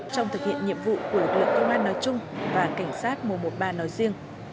trong thực hiện nhiệm vụ của lực lượng thông an nói chung và cảnh sát mùa ba nói riêng